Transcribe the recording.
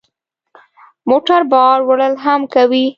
موټر بار وړل هم کوي.